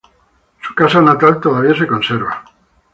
Su casa natal todavía se conserva.